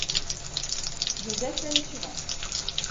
Joseph l’année suivante.